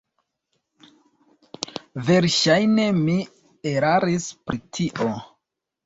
Verŝajne mi eraris pri tio.